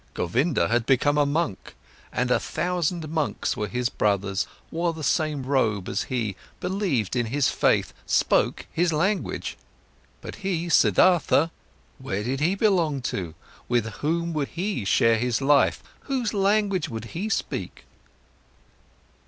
Govinda had become a monk, and a thousand monks were his brothers, wore the same robe as he, believed in his faith, spoke his language. But he, Siddhartha, where did he belong to? With whom would he share his life? Whose language would he speak?